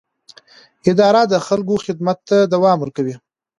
اداره د خلکو خدمت ته دوام ورکوي.